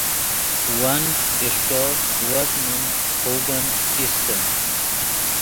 ون اݰٹو وس من خوبن ایستے